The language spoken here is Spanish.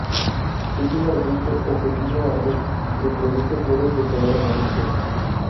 Es un arbusto o pequeño árbol que produce flores de color amarillo.